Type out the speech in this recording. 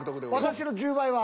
私の１０倍は？